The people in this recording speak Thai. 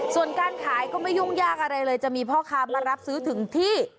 ส่วนการขายก็ไม่ยุ่งยากอะไรเลยจะมีพ่อค้ามารับซื้อถึงที่